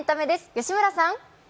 吉村さん。